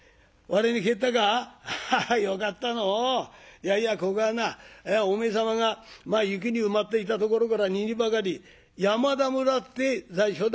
いやいやここはなお前様が雪に埋まっていたところから二里ばかり山田村って在所だ。